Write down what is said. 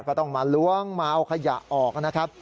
ก็ต้องมาล้วงมาเอาขยะออกนะครับ